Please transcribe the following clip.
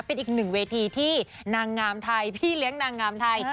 เป็นอีกหนึ่งเวทีที่นางงามไทยพี่เลี้ยงนางงามไทย